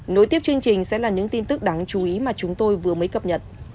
nối tiếp chương trình sẽ là những tin tức đáng chú ý mà chúng tôi vừa mới cập nhật